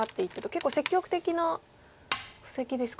結構積極的な布石ですか。